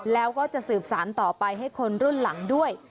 แล้วก็จะสืบสารต่อไปให้คนรุ่นหลังด้วย